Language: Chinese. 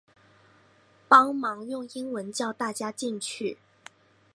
帮忙用英文叫大家进去